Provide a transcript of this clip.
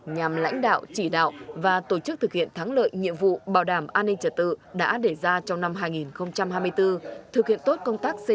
nhằm lãnh đạo chỉ đạo và tổ chức thực hiện thắng lợi nhiệm vụ bảo đảm an ninh trật tự